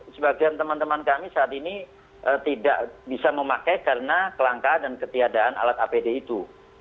sebagian teman teman kami saat ini tidak bisa memakai karena kelangkaan dan ketiadaan alat apd itu